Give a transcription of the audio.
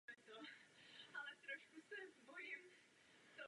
Na Dálném východě prožil třicet let.